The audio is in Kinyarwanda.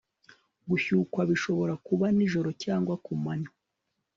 gushyukwa bishobora kuba nijoro cyangwa ku manywa